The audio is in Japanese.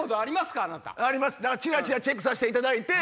ちらちらチェックさせていただいて。